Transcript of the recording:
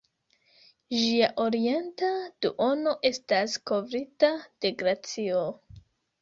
Ĝia orienta duono estas kovrita de glacio.